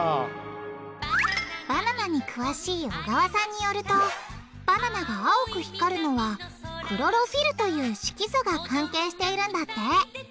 バナナに詳しい小川さんによるとバナナが青く光るのはクロロフィルという色素が関係しているんだって。